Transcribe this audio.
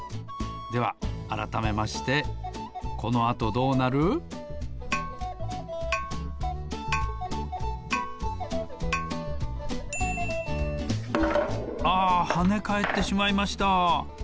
ではあらためましてああはねかえってしまいました。